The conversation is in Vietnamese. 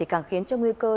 càng khiến cho nguy cơ